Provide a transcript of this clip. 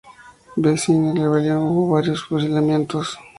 Vencida la rebelión, hubo varios fusilamientos.